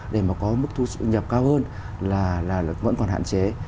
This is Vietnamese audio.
để mà có mức thu nhập cao hơn là vẫn còn hạn chế